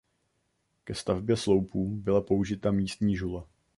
Ke stavbě sloupů byla použita místní žula.